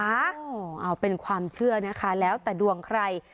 เอาเป็นความเชื่อนะคะแล้วแต่ดวงใคร